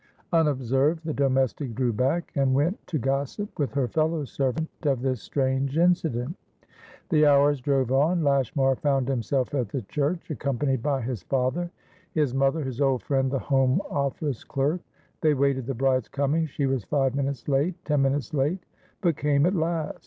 Unobserved, the domestic drew back, and went to gossip with her fellow servant of this strange incident. The hours drove on. Lashmar found himself at the church, accompanied by his father, his mother, his old friend the Home Office clerk. They waited the bride's coming; she was five minutes late, ten minutes late; but came at last.